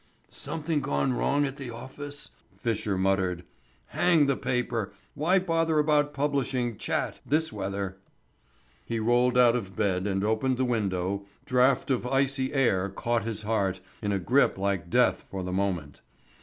"Something gone wrong at the office?" Fisher muttered. "Hang the paper! Why bother about publishing Chat this weather?" He rolled out of bed, and opened the window, draught of icy air caught his heart in a grip like death for the moment.